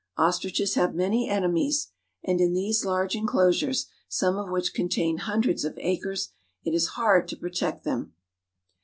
Ostriches have many enemies, and, in these large inclosures, some of wliich contain hundreds of acres, it is hard to protect them.